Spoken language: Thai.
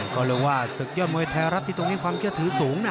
ก็เรียกว่าศึกยอดมวยไทยรัฐที่ตรงนี้ความเชื่อถือสูงนะ